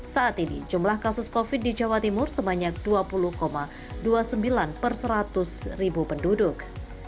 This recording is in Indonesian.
saat ini jumlah kasus covid sembilan belas di jawa timur sebanyak dua puluh dua puluh sembilan persatus ribu penduduk